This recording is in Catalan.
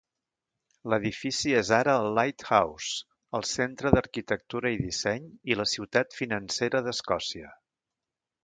L'edifici és ara el Lighthouse, el centre d'arquitectura i disseny i la ciutat financera d'Escòcia.